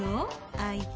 相手。